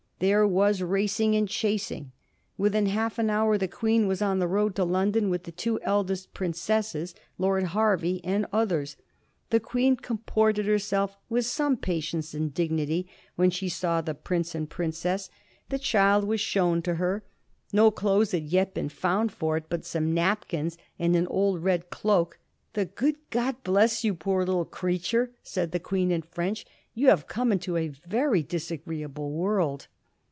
There was racing and chasing. Within half an hour the Queen was on the road to London with the two eldest princesses, Lord Hervey, and others. The Queen com ported herself with some patience and dignity when she saw the prince and princess. The child was shown to her. 108 A HISTORY OF THE FOUR GEORGES. ch.zxtiii. No clothes had yet been found for it but some napkins and an old red cloak. " The good God bless you, poor little creature," said the Queen in French; "you have come into a very disagreeable world